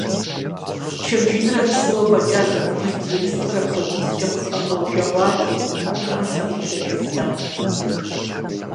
Чыржынрэ псыуэ фӀэкӀа зэхэмылъ ди ерыскъыр апхуэдизкӀэ къысӀэщӀэужэгъуати, абыхэм саӀуплъэжыфыртэкъым.